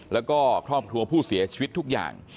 แล้วก็ครอบครัวผู้เสียชีวิตทุกอย่าง